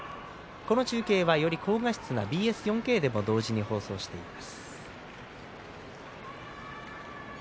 この中継はより鮮明なＢＳ４Ｋでも同時放送しています。